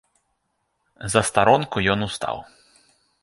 З застаронку ён устаў.